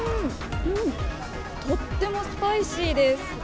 とってもスパイシーです。